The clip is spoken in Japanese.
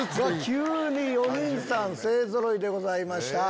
急に４人さん勢ぞろいでございました。